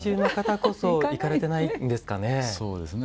京都在住の方こそ行かれてないんですかね。